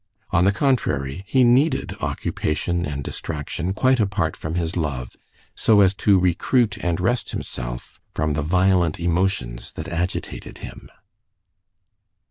On the contrary, he needed occupation and distraction quite apart from his love, so as to recruit and rest himself from the violent emotions that agitated him.